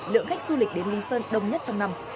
lượng khách du lịch đến lý sơn đông nhất trong năm